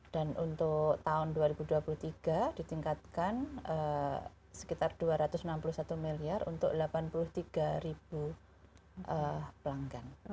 dan untuk tahun dua ribu dua puluh tiga ditingkatkan sekitar dua ratus enam puluh satu miliar untuk delapan puluh tiga ribu pelanggan